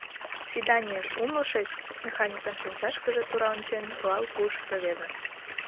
— Свиданийыш, умылышыч? — механикын шинчашкыже тура ончен, руал пуыш рвезе.